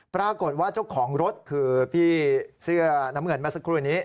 ปรากฏว่าเจ้าของรถคือพี่เสื้อน้ำเงินเมื่อสักครู่นี้